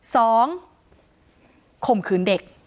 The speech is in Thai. สองข่มขืนเด็ก